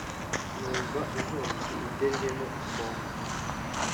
Numva inkongi indemyemo ikome,